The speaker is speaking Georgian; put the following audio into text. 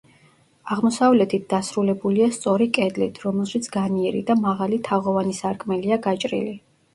აღმოსავლეთით დასრულებულია სწორი კედლით, რომელშიც განიერი და მაღალი თაღოვანი სარკმელია გაჭრილი.